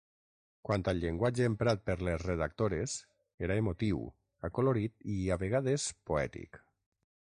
Quant al llenguatge emprat per les redactores era emotiu, acolorit i, a vegades, poètic.